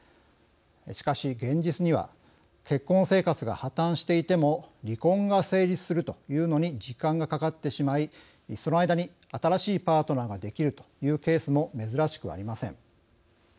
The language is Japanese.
しかし、現実には結婚生活が破綻していても離婚が成立するというのに時間がかかってしまいその間に新しいパートナーができるというケースも珍しくありません。